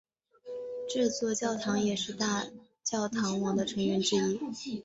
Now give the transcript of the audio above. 这座教堂也是大教堂网的成员之一。